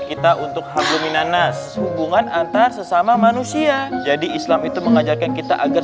kita untuk hablu minanas hubungan antar sesama manusia jadi islam itu mengajarkan kita agar